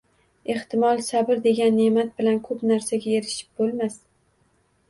Ehtimol sabr degan ne’mat bilan ko’p narsaga erishib bo’lmas